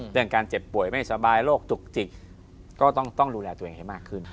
เรื่องการเจ็บป่วยไม่สบายโรคจุกจิกก็ต้องดูแลตัวเองให้มากขึ้น